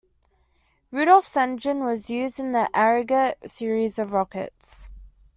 Rudolph's engine was used in the Aggregat series of rockets.